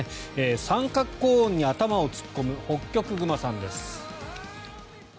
三角コーンに頭を突っ込むホッキョクグマさんです。